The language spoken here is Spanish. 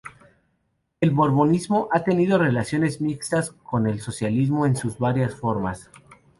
El mormonismo ha tenido relaciones mixtas con el socialismo en sus varias formas.